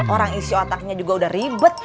orang isi otaknya juga udah ribet